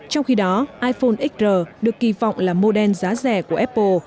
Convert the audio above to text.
trong khi đó iphone xr được kỳ vọng là mô đen giá rẻ của apple